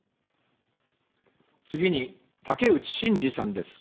次に、竹内しんじさんです。